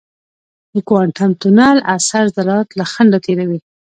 د کوانټم تونل اثر ذرات له خنډه تېروي.